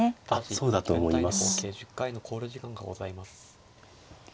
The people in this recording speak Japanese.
そうだと思います。